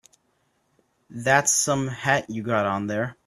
That's some hat you got on there.